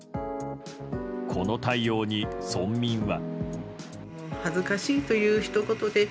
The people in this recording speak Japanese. この対応に、村民は。